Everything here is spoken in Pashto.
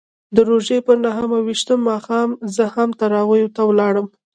د روژې پر نهه ویشتم ماښام زه هم تراویحو ته ولاړم.